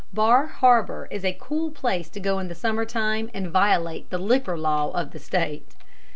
Bar Harbor is a cool place to go to in summer time and violate the liquor law of the State.